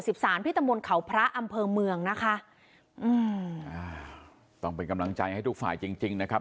ที่ตำบลเขาพระอำเภอเมืองนะคะต้องเป็นกำลังใจให้ทุกฝ่ายจริงจริงนะครับ